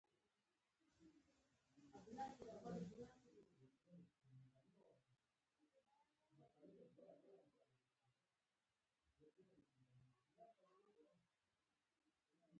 له تخیل پرته باور نهشي رامنځ ته کېدی.